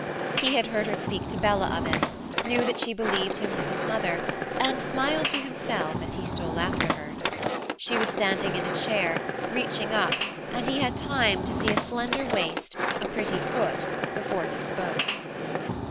He had heard her speak to Bella of it, knew that she believed him with his mother, and smiled to himself as he stole after her. She was standing in a chair, reaching up, and he had time to see a slender waist, a pretty foot, before he spoke.